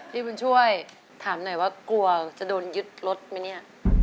พี่บุญช่วยถามหน่อยว่ากลัวจะโดนยึดรถไหมเนี่ย